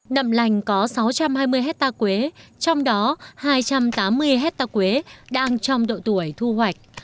nậm lành có sáu trăm hai mươi hectare quế trong đó hai trăm tám mươi hectare quế đang trong độ tuổi thu hoạch